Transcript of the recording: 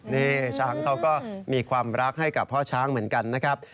นี่ช้างเขาก็มีความรักให้กับพ่อช้างเหมือนกันนะครับ